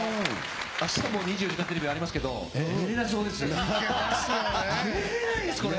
あしたも２４時間テレビありますけど、寝れなそうです。ですよね。